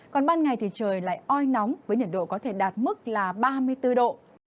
còn ban ngày thì trời lại oi nóng với nhiệt độ có thể đạt mức là ba mươi bốn độ